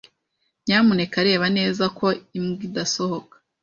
Nyamuneka reba neza ko imbwa idasohoka.